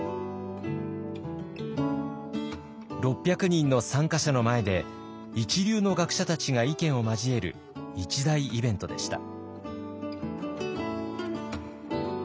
６００人の参加者の前で一流の学者たちが意見を交える一大イベントでした。